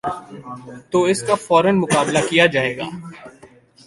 تو اس کا فورا مقابلہ کیا جائے گا۔